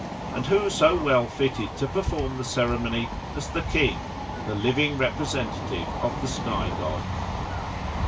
And who so well fitted to perform the ceremony as the king, the living representative of the sky god?